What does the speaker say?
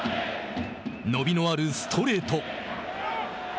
伸びのあるストレート。